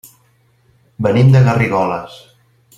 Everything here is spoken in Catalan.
Venim de Garrigoles.